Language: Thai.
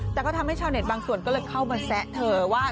แต่ก็ทำให้ชาวเน็ตบางส่วนก็เลยเข้ามาแซะเธอว่า